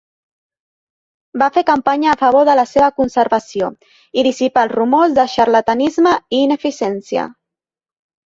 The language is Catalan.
Va fer campanya a favor de la seva conservació i dissipar els rumors de xarlatanisme i ineficiència.